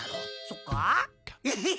そっか。